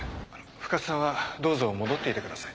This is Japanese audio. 深津さんはどうぞ戻っていてください。